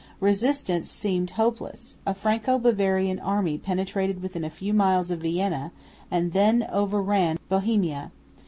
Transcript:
Resistance seemed hopeless. A Franco Bavarian army penetrated within a few miles of Vienna, and then overran Bohemia.